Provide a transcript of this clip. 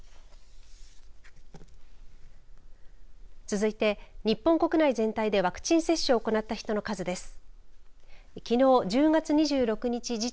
続いて日本国内全体でワクチン接種を行った人の数です。